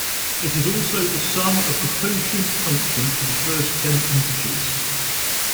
It is also the sum of the totient function for the first ten integers.